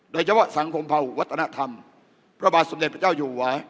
โดยเฉพาะสังคมภาหุวัฒนธรรมพระบาทสมเด็จพระเจ้าอยู่หัว